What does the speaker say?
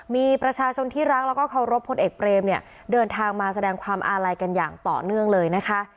มีประชาชนที่รักแล้วก็เคารพพลเอกเปรมเนี่ยเดินทางมาแสดงความอาลัยกันอย่างต่อเนื่องเลยนะคะ